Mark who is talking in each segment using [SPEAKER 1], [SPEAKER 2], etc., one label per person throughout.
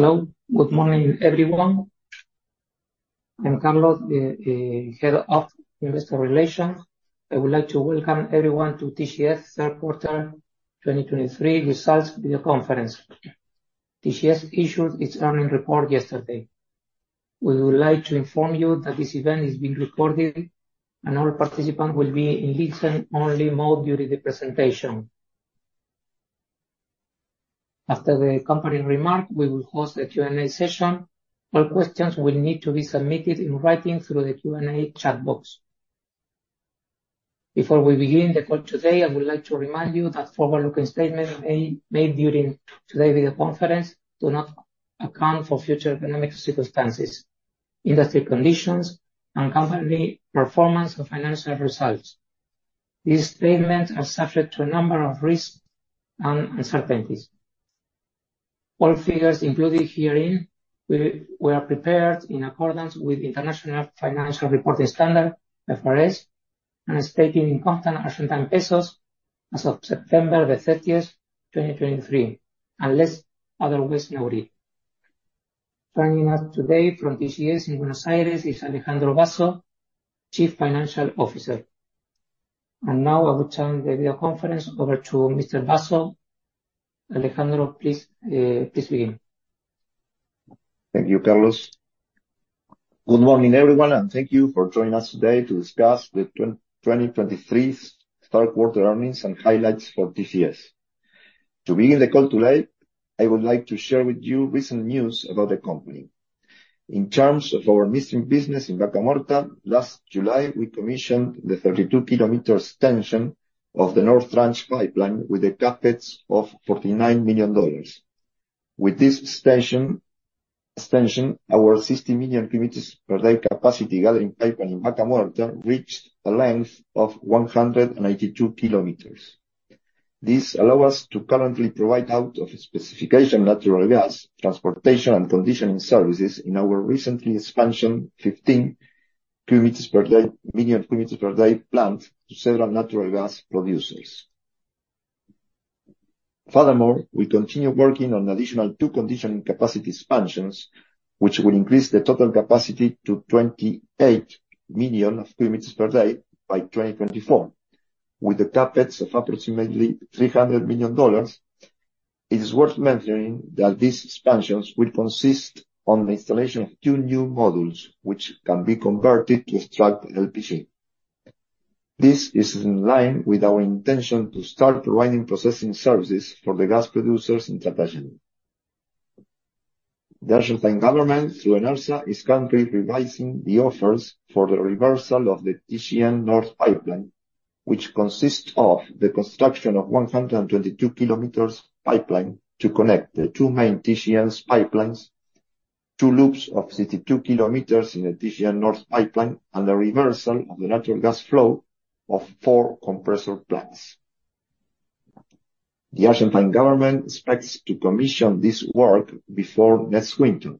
[SPEAKER 1] Hello. Good morning, everyone. I'm Carlos, the Head of Investor Relations. I would like to welcome everyone to TGS third quarter 2023 results video conference. TGS issued its earnings report yesterday. We would like to inform you that this event is being recorded, and all participants will be in listen-only mode during the presentation. After the company remark, we will host a Q&A session. All questions will need to be submitted in writing through the Q&A chat box. Before we begin the call today, I would like to remind you that forward-looking statements made during today's video conference do not account for future economic circumstances, industry conditions, and company performance or financial results. These statements are subject to a number of risks and uncertainties. All figures included herein were prepared in accordance with International Financial Reporting Standards, IFRS, and stated in constant Argentine pesos as of September 30, 2023, unless otherwise noted. Joining us today from TGS in Buenos Aires is Alejandro Basso, Chief Financial Officer. Now I will turn the video conference over to Mr. Basso. Alejandro, please, please begin.
[SPEAKER 2] Thank you, Carlos. Good morning, everyone, and thank you for joining us today to discuss the 2023's third quarter earnings and highlights for TGS. To begin the call today, I would like to share with you recent news about the company. In terms of our upstream business in Vaca Muerta, last July, we commissioned the 32-kilometer extension of the North Tranche pipeline with a CapEx of $49 million. With this extension, our 60 million cubic meters per day capacity gathering pipeline in Vaca Muerta reached a length of 182 kilometers. This allow us to currently provide out of specification natural gas, transportation, and conditioning services in our recently expansion, 15 million cubic meters per day plant to several natural gas producers. Furthermore, we continue working on additional two conditioning capacity expansions, which will increase the total capacity to 28 million cubic meters per day by 2024, with a CapEx of approximately $300 million. It is worth mentioning that these expansions will consist on the installation of two new modules, which can be converted to extract LPG. This is in line with our intention to start providing processing services for the gas producers in Tratayén. The Argentine government, through ENARSA, is currently revising the offers for the reversal of the TGN North Pipeline, which consists of the construction of 122 kilometers pipeline to connect the two main TGN's pipelines, two loops of 62 kilometers in the TGN North Pipeline, and the reversal of the natural gas flow of four compressor plants. The Argentine government expects to commission this work before next winter,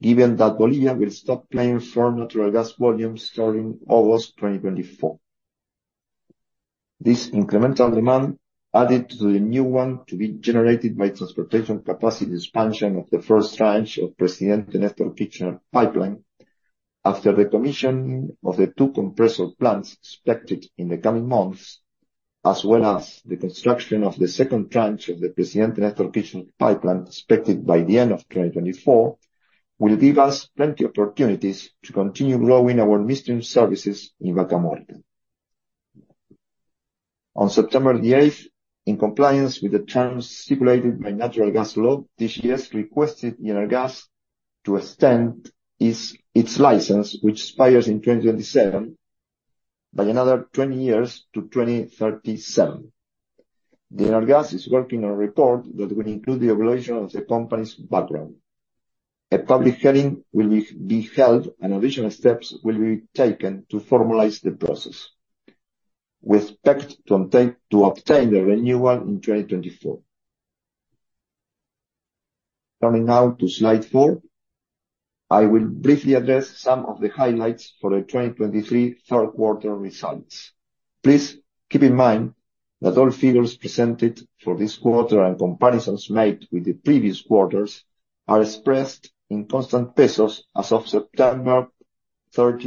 [SPEAKER 2] given that Bolivia will stop supplying natural gas volumes starting August 2024. This incremental demand, added to the new one to be generated by transportation capacity expansion of the first tranche of Presidente Néstor Kirchner pipeline. After the commission of the two compressor plants, expected in the coming months, as well as the construction of the second tranche of the Presidente Néstor Kirchner pipeline, expected by the end of 2024, will give us plenty opportunities to continue growing our upstream services in Vaca Muerta. On September 8, in compliance with the terms stipulated by Natural Gas Law, TGS requested ENARGAS to extend its license, which expires in 2027, by another 20 years to 2037. ENARGAS is working on a report that will include the evaluation of the company's background. A public hearing will be held, and additional steps will be taken to formalize the process. We expect to obtain the renewal in 2024. Coming now to slide 4, I will briefly address some of the highlights for the 2023 third quarter results. Please keep in mind that all figures presented for this quarter and comparisons made with the previous quarters are expressed in constant pesos as of September 30,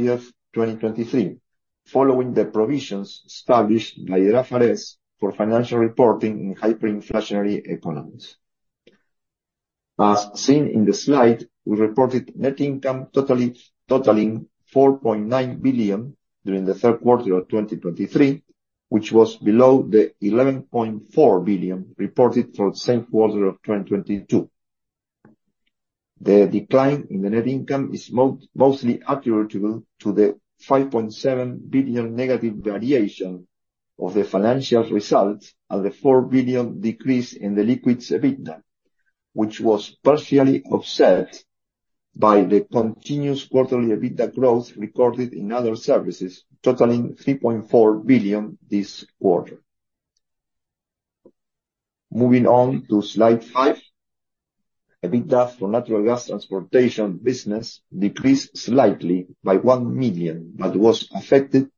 [SPEAKER 2] 2023, following the provisions established by the IFRS for financial reporting in hyperinflationary economies. As seen in the slide, we reported net income totaling 4.9 billion during the third quarter of 2023, which was below the 11.4 billion reported for the same quarter of 2022. The decline in the net income is mostly attributable to the 5.7 billion negative variation of the financial results and the 4 billion decrease in the liquids EBITDA, which was partially offset by the continuous quarterly EBITDA growth recorded in other services, totaling 3.4 billion this quarter. Moving on to slide 5. EBITDA for natural gas transportation business decreased slightly by 1 million, but was affected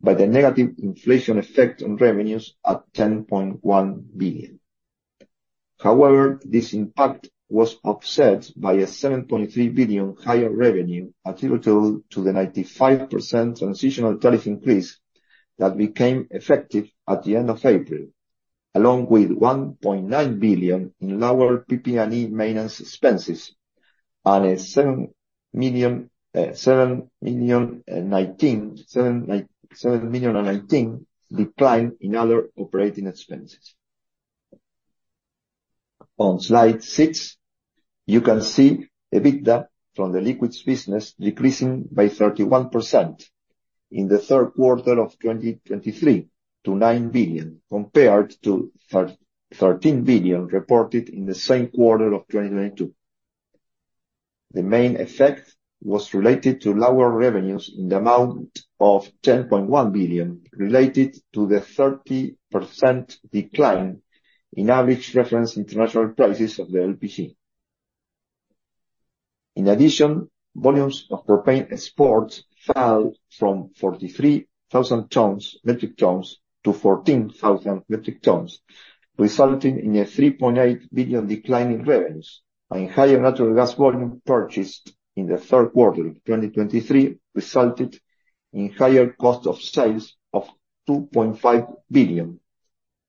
[SPEAKER 2] by the negative inflation effect on revenues at 10.1 billion. However, this impact was offset by a 7.3 billion higher revenue, attributable to the 95% transitional tariff increase that became effective at the end of April, along with 1.9 billion in lower PP&E maintenance expenses and a 719 million decline in other operating expenses. On Slide 6, you can see EBITDA from the liquids business decreasing by 31% in the third quarter of 2023 to 9 billion, compared to 13 billion reported in the same quarter of 2022. The main effect was related to lower revenues in the amount of 10.1 billion, related to the 30% decline in average reference international prices of the LPG. In addition, volumes of propane exports fell from 43,000 tons, metric tons, to 14,000 metric tons, resulting in a 3.8 billion decline in revenues, and higher natural gas volume purchased in the third quarter of 2023 resulted in higher cost of sales of 2.5 billion.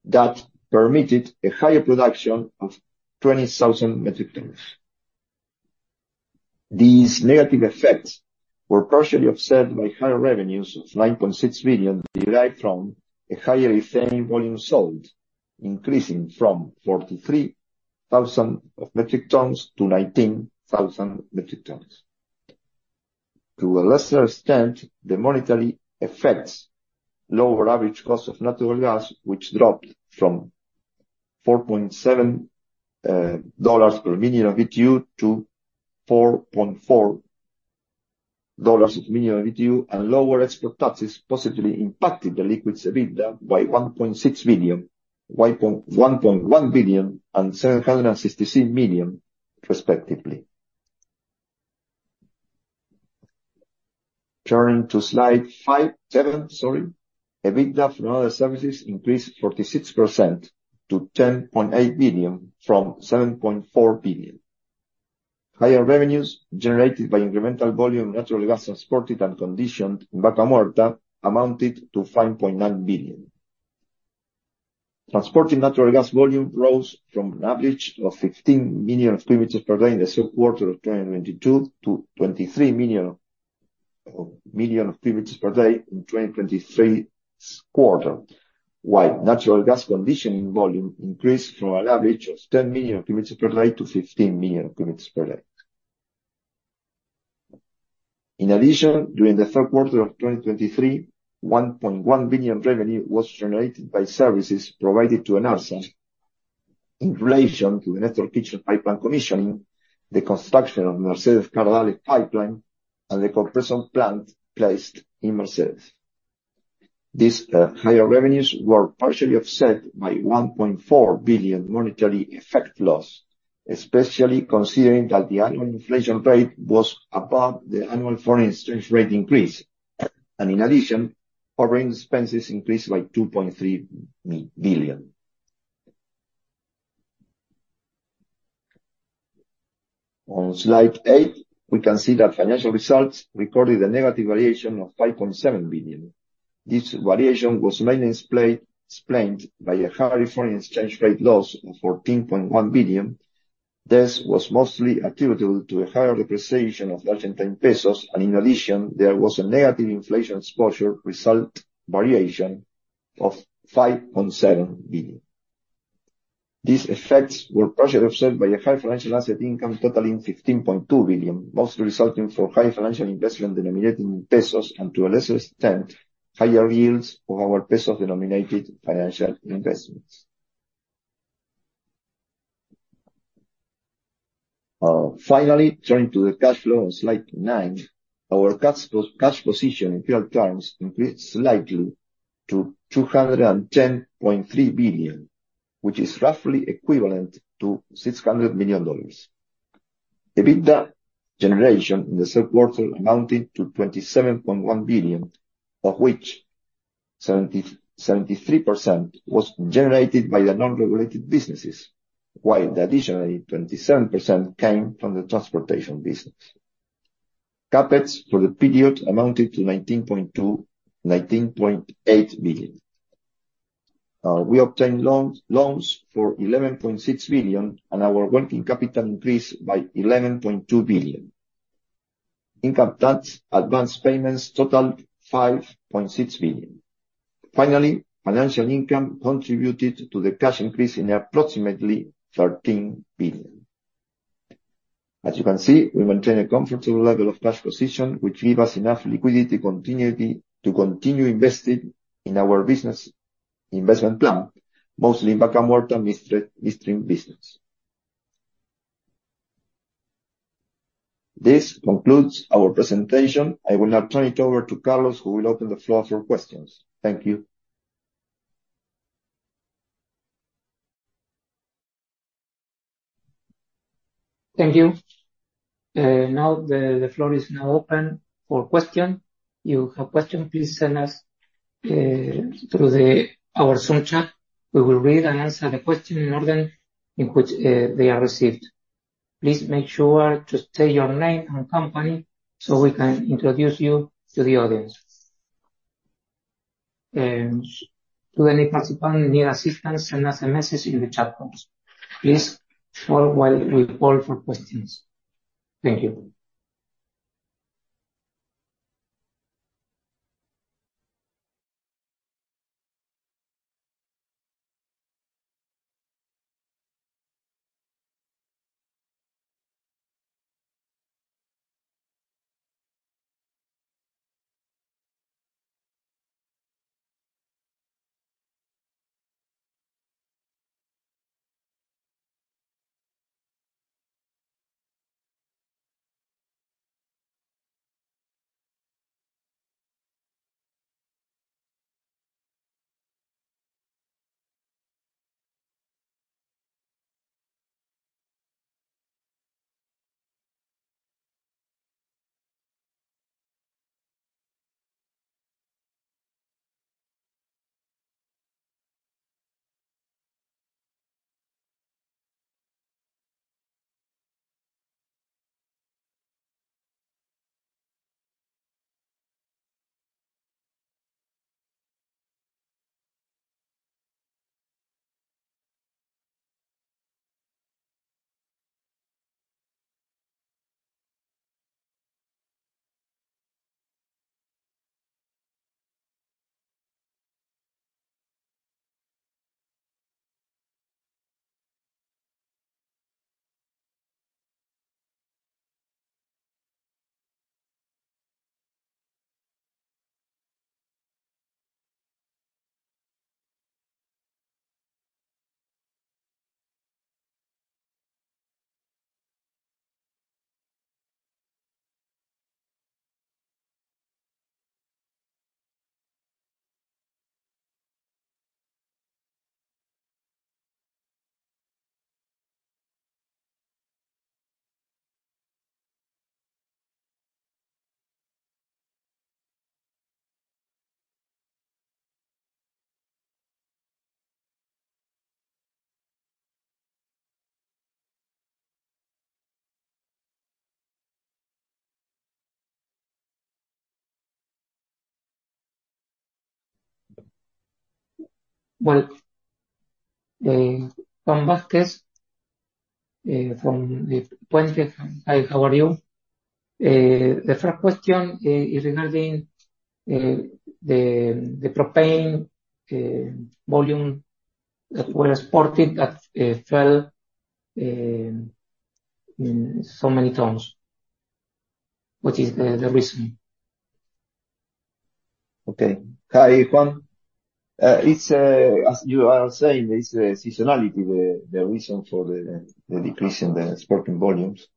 [SPEAKER 2] That permitted a higher production of 20,000 metric tons. These negative effects were partially offset by higher revenues of 9.6 billion, derived from a higher ethane volume sold, increasing from 43,000 metric tons to 19,000 metric tons. To a lesser extent, the monetary effects, lower average cost of natural gas, which dropped from $4.7 per million BTU to $4.4 per million BTU, and lower export taxes positively impacted the liquids EBITDA by 1.6 billion, 1.1 billion, and 766 million, respectively. Turning to Slide five... Seven, sorry. EBITDA from other services increased 46% to 10.8 billion from 7.4 billion. Higher revenues generated by incremental volume of natural gas transported and conditioned in Vaca Muerta amounted to 5.9 billion. Transported natural gas volume rose from an average of 15 million cubic meters per day in the second quarter of 2022 to 23 million, uh, million cubic meters per day in 2023's quarter, while natural gas conditioning volume increased from an average of 10 million cubic meters per day to 15 million cubic meters per day. In addition, during the third quarter of 2023, 1.1 billion revenue was generated by services provided to ENARSA in relation to the Néstor Kirchner pipeline commissioning, the construction of Mercedes-Cardales pipeline, and the compression plant placed in Mercedes. These, uh, higher revenues were partially offset by 1.4 billion monetary effect loss, especially considering that the annual inflation rate was above the annual foreign exchange rate increase. And in addition, operating expenses increased by ARS 2.3 billion. On Slide 8, we can see that financial results recorded a negative variation of 5.7 billion. This variation was mainly explained by a higher foreign exchange rate loss of 14.1 billion. This was mostly attributable to a higher depreciation of Argentine pesos, and in addition, there was a negative inflation exposure result variation of 5.7 billion. These effects were partially offset by a high financial asset income totaling 15.2 billion, mostly resulting from high financial investment denominated in pesos, and to a lesser extent, higher yields of our peso-denominated financial investments. Finally, turning to the cash flow on slide 9, our cash position in peso terms increased slightly to 210.3 billion, which is roughly equivalent to $600 million. EBITDA generation in the third quarter amounted to 27.1 billion, of which 73% was generated by the non-regulated businesses, while the additional 27% came from the transportation business. CapEx for the period amounted to 19.8 billion. We obtained loans for 11.6 billion, and our working capital increased by 11.2 billion. Income tax advance payments totaled 5.6 billion. Finally, financial income contributed to the cash increase in approximately 13 billion. As you can see, we maintain a comfortable level of cash position, which give us enough liquidity continuity to continue investing in our business investment plan, mostly in Vaca Muerta midstream business. This concludes our presentation. I will now turn it over to Carlos, who will open the floor for questions. Thank you....
[SPEAKER 1] Thank you. Now the floor is now open for question. You have question, please send us through the our Zoom chat. We will read and answer the question in order in which they are received. Please make sure to state your name and company so we can introduce you to the audience. Should any participant need assistance, send us a message in the chat box. Please hold while we call for questions. Thank you. Well, Juan Vázquez from the Puente. Hi, how are you? The first question is regarding the propane volume that were exported that fell in so many tons. What is the reason?
[SPEAKER 2] Okay. Hi, Juan. It's as you are saying, it's seasonality, the reason for the decrease in the exporting volumes.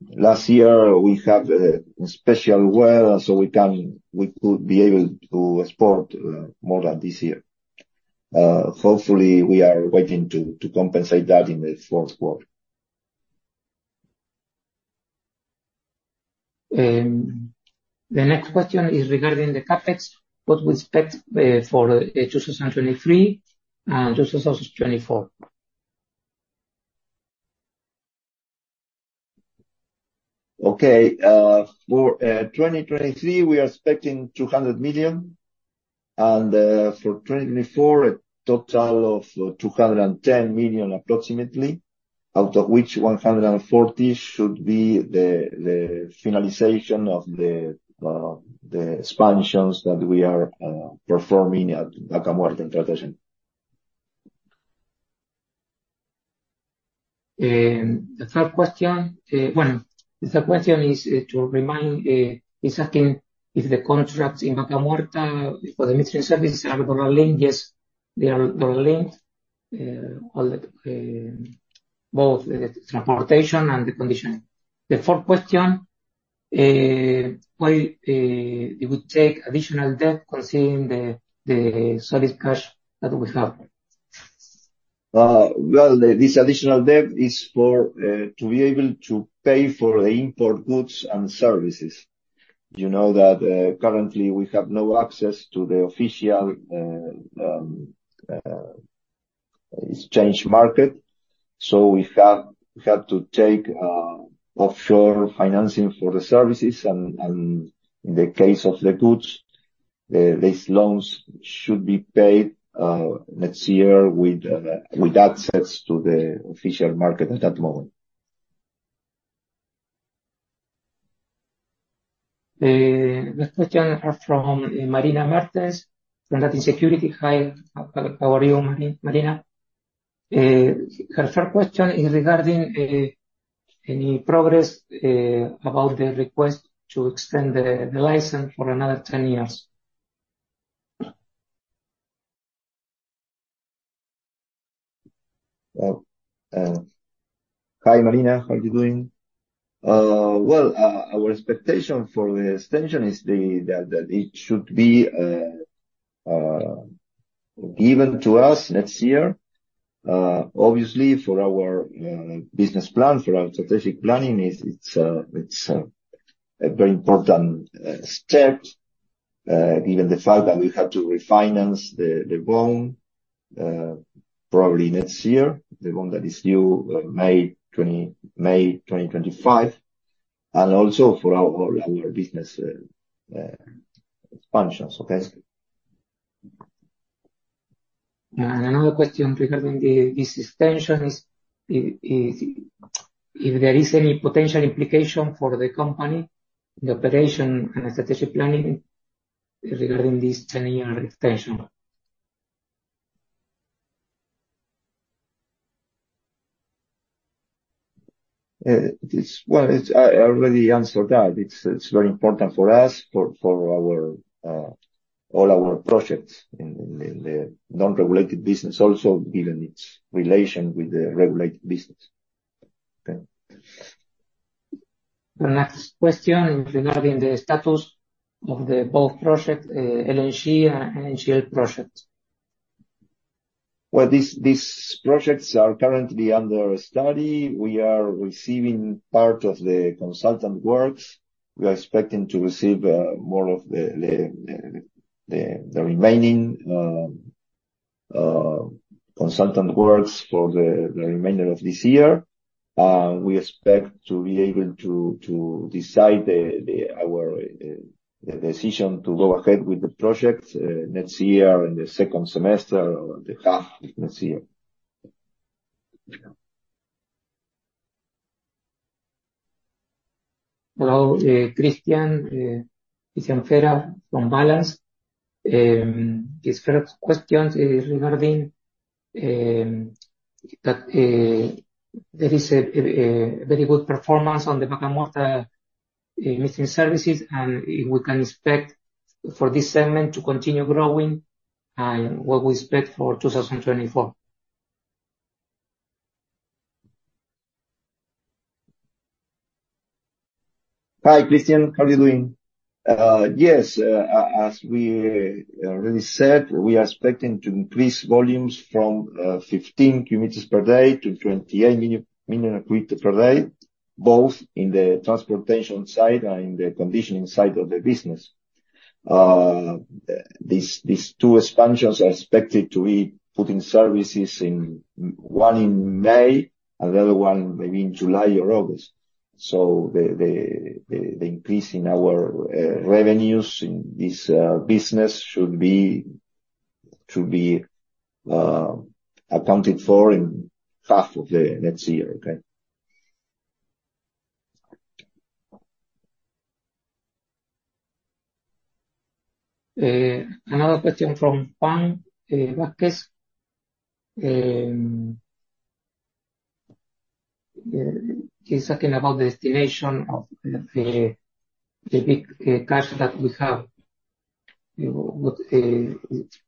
[SPEAKER 2] Last year, we had a special well, so we could be able to export more than this year. Hopefully, we are waiting to compensate that in the fourth quarter.
[SPEAKER 1] The next question is regarding the CapEx. What we expect for 2023 and 2024?
[SPEAKER 2] Okay. For 2023, we are expecting $200 million, and for 2024, a total of $210 million approximately, out of which $140 million should be the finalization of the expansions that we are performing at Vaca Muerta in production.
[SPEAKER 1] The third question, well, the third question is, to remind, is asking if the contracts in Vaca Muerta for the maintenance services are gonna link? Yes, they are gonna link, all the, both the transportation and the conditioning. The fourth question, why it would take additional debt considering the solid cash that we have?
[SPEAKER 2] Well, this additional debt is for to be able to pay for the import goods and services. You know that currently we have no access to the official exchange market, so we have to take offshore financing for the services and in the case of the goods, these loans should be paid next year with access to the official market at that moment.
[SPEAKER 1] The question are from Marina Martes from Latin Securities. Hi, how are you, Marina? Her first question is regarding any progress about the request to extend the license for another 10 years.
[SPEAKER 2] Well, Hi, Marina. How are you doing? Well, our expectation for the extension is that it should be given to us next year, obviously, for our business plan, for our strategic planning, it's a very important step, given the fact that we have to refinance the bond, probably next year, the bond that is due May 2025, and also for our business expansion. So, okay.
[SPEAKER 1] Another question regarding this extension: if there is any potential implication for the company, the operation, and strategic planning regarding this 10-year extension?
[SPEAKER 2] Well, I already answered that. It's very important for us, for all our projects in the non-regulated business also, given its relation with the regulated business. Okay.
[SPEAKER 1] The next question is regarding the status of the both project, LNG and NGL projects.
[SPEAKER 2] Well, these projects are currently under study. We are receiving part of the consultant works. We are expecting to receive more of the remaining consultant works for the remainder of this year. We expect to be able to decide our decision to go ahead with the project next year in the second semester or the half next year.
[SPEAKER 1] Hello, Cristian Fera from Balanz. His first question is regarding that there is a very good performance on the midstream services, and we can expect for this segment to continue growing and what we expect for 2024.
[SPEAKER 2] Hi, Christian. How are you doing? Yes, as we really said, we are expecting to increase volumes from 15 million cubic meters per day to 28 million cubic meters per day, both in the transportation side and in the conditioning side of the business. These two expansions are expected to be put into service in one in May and the other one maybe in July or August. So the increase in our revenues in this business should be accounted for in half of the next year. Okay?
[SPEAKER 1] Another question from Juan Vázquez. He's talking about the destination of the big cash that we have. You know, what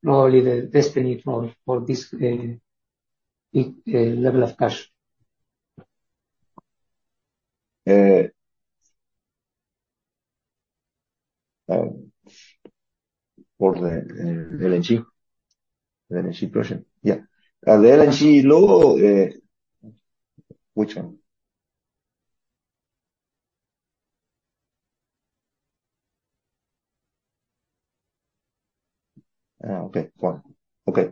[SPEAKER 1] probably the destiny for this big level of cash.
[SPEAKER 2] For the LNG project? Yeah. The LNG load, which one? Okay, fine. Okay.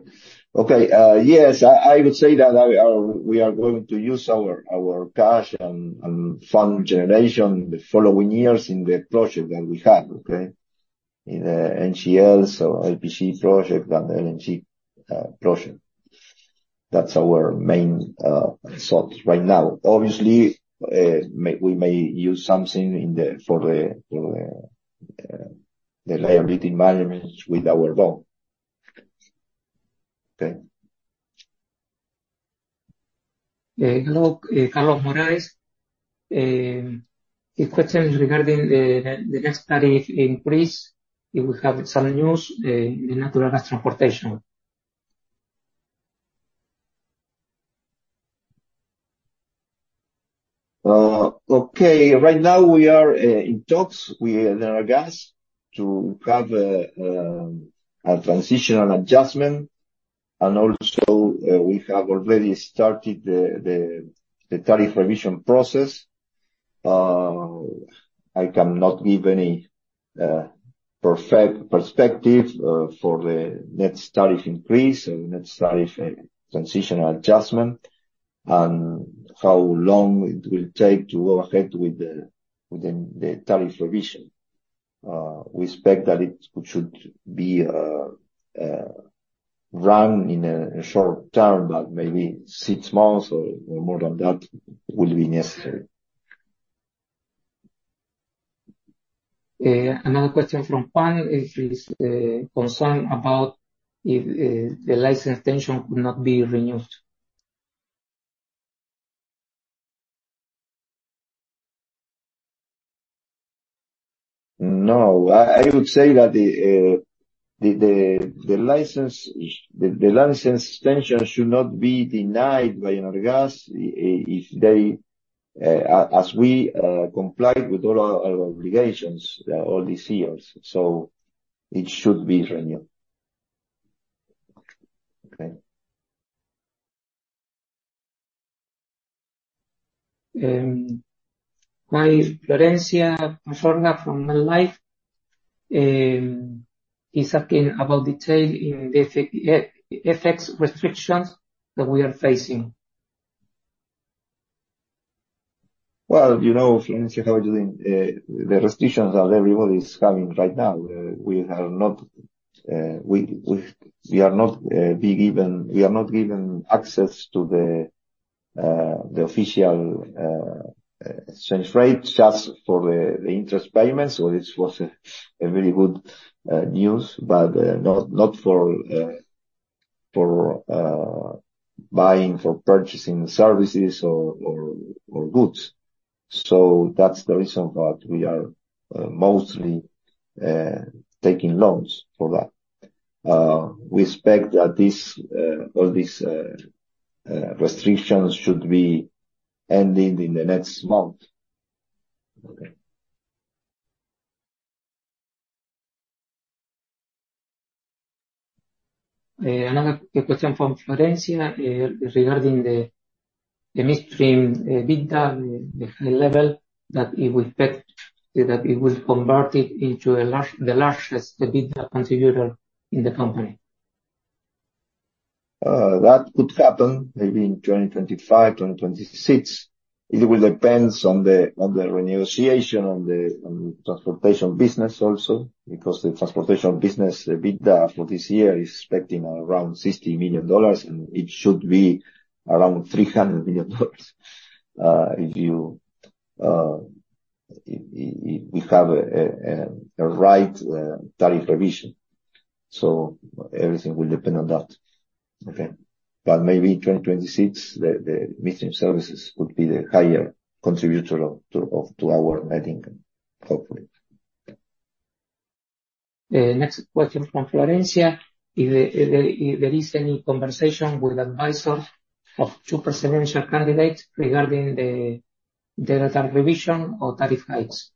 [SPEAKER 2] Okay, yes, I, I would say that we are, we are going to use our, our cash and, and fund generation the following years in the project that we have, okay? In the NGL, so LPG project and LNG project. That's our main source right now. Obviously, we may use something for the liability management with our bond. Okay.
[SPEAKER 1] Hello, Carlos Morales. His question is regarding the next tariff increase. If we have some news in natural gas transportation.
[SPEAKER 2] Okay. Right now, we are in talks with ENARGAS to have a transition and adjustment, and also, we have already started the tariff revision process. I cannot give any perspective for the next tariff increase or next tariff transition adjustment, and how long it will take to go ahead with the tariff revision. We expect that it should be run in a short term, but maybe six months or more than that will be necessary.
[SPEAKER 1] Another question from Juan, if he's concerned about if the license extension will not be renewed.
[SPEAKER 2] No, I would say that the license extension should not be denied by ENARGAS as we comply with all our obligations all these years, so it should be renewed. Okay.
[SPEAKER 1] Florencia Mayorga from Life is asking about detail in the FX restrictions that we are facing.
[SPEAKER 2] Well, you know, Florencia, how we're doing the restrictions that everybody is having right now. We are not given access to the official exchange rate, just for the interest payments. So this was a very good news, but not for buying for purchasing services or goods. So that's the reason that we are mostly taking loans for that. We expect that all these restrictions should be ending in the next month.
[SPEAKER 1] Okay. Another question from Florencia regarding the midstream EBITDA, the high level that it will expect, that it will convert it into a large... the largest EBITDA contributor in the company.
[SPEAKER 2] That could happen maybe in 2025, 2026. It will depends on the renegotiation, on the transportation business also, because the transportation business, the EBITDA for this year, is expecting around $60 million, and it should be around $300 million. If we have a right tariff revision. So everything will depend on that. Okay? But maybe in 2026, the midstream services could be the higher contributor to our net income, hopefully.
[SPEAKER 1] The next question from Florencia, if there is any conversation with advisors of two presidential candidates regarding the tariff revision or tariff hikes?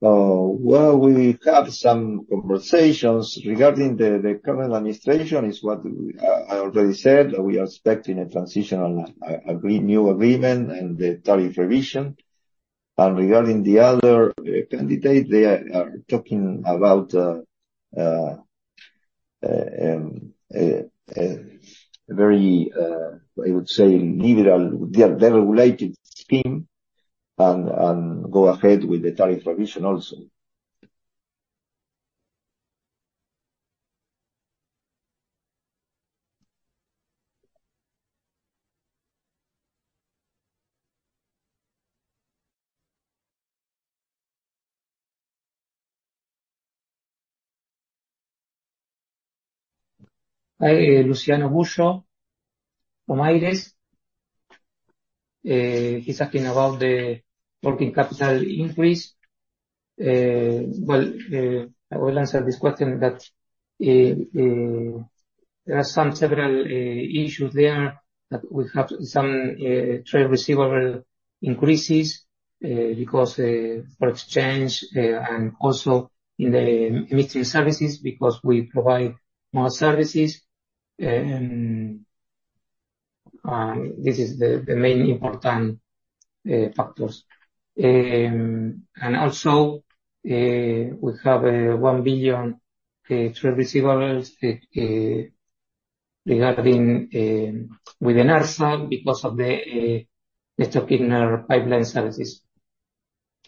[SPEAKER 2] Well, we have some conversations regarding the current administration, is what I already said. We are expecting a transitional agreement and the tariff revision. And regarding the other candidate, they are talking about a very, I would say, liberal regulated scheme and go ahead with the tariff revision also.
[SPEAKER 1] Hi, Luciano Busso from Mires. He's asking about the working capital increase. Well, I will answer this question that there are some several issues there, that we have some trade receivable increases, because for exchange, and also in the midstream services, because we provide more services. And this is the main important factors. And also, we have 1 billion trade receivables regarding within ENARSA, because of the stock in our pipeline services,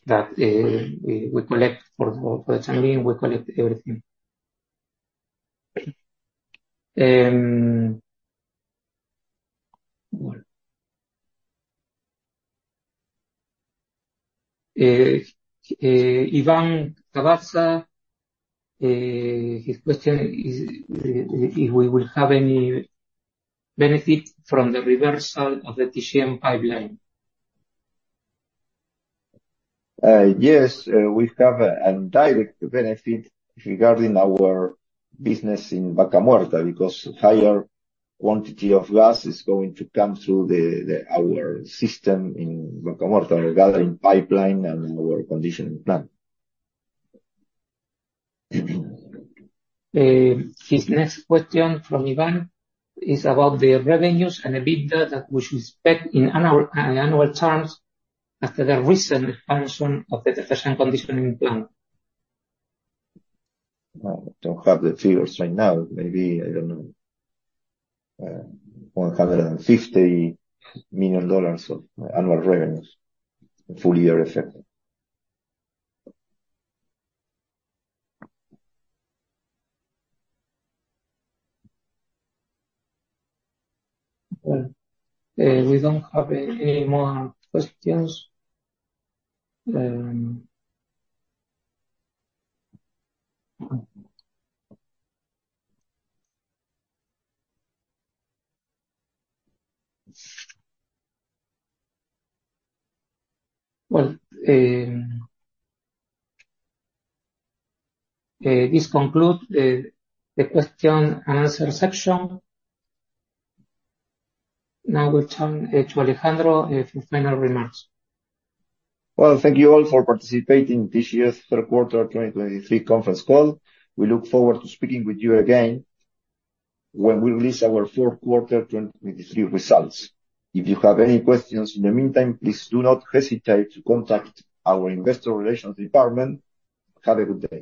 [SPEAKER 1] that we collect for the time being, we collect everything. Well, Ivan Tabaza, his question is, if we will have any benefit from the reversal of the TGN pipeline?
[SPEAKER 2] Yes, we have a direct benefit regarding our business in Vaca Muerta, because higher quantity of gas is going to come through our system in Vaca Muerta, our gathering pipeline and our conditioning plant.
[SPEAKER 1] His next question from Ivan is about the revenues and EBITDA that we should expect in annual, annual terms after the recent expansion of the gas conditioning plant.
[SPEAKER 2] I don't have the figures right now. Maybe, I don't know, $150 million of annual revenues, full year effect.
[SPEAKER 1] Well, we don't have any more questions. Well, this conclude the question and answer section. Now we turn to Alejandro for final remarks.
[SPEAKER 2] Well, thank you all for participating in this year's third quarter 2023 conference call. We look forward to speaking with you again when we release our fourth quarter 2023 results. If you have any questions in the meantime, please do not hesitate to contact our investor relations department. Have a good day.